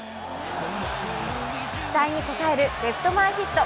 期待に応えるレフト前ヒット。